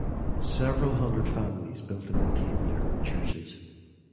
Several hundred families built and maintained their own churches.